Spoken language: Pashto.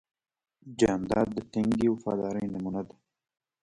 جانداد د ټینګې وفادارۍ نمونه ده.